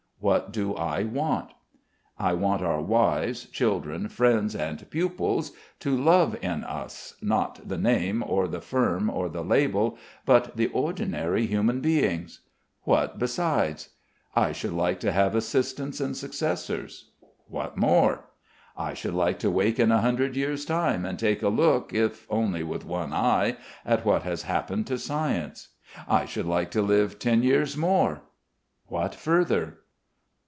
What do I want? I want our wives, children, friends, and pupils to love in us, not the name or the firm or the label, but the ordinary human beings. What besides? I should like to have assistants and successors. What more? I should like to wake in a hundred years' time, and take a look, if only with one eye, at what has happened to science. I should like to live ten years more.... What further?